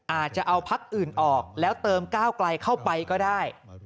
อาจจะเอาพักอื่นออกแล้วเติมก้าวไกลเข้าไปก็ได้